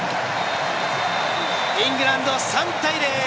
イングランド、３対０！